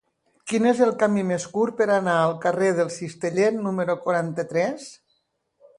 Quin és el camí més curt per anar al carrer del Cistellet número quaranta-tres?